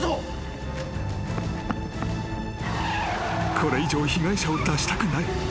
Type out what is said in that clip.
［これ以上被害者を出したくない］